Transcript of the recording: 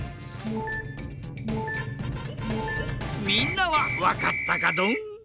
みんなはわかったかドン？